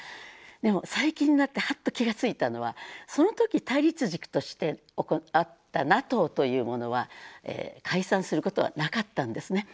でも最近になってハッと気が付いたのはその時対立軸としてあったＮＡＴＯというものは解散することはなかったんですね。